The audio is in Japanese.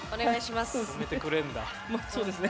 まあそうですね。